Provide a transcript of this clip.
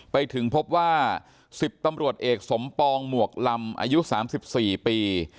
ไปถึงพบว่าสิบตำรวจเอกสมปองหมวกลำอายุสามสิบสี่ปี